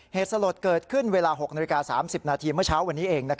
เหตุสลดเกิดขึ้นเวลา๖นาฬิกา๓๐นาทีเมื่อเช้าวันนี้เอง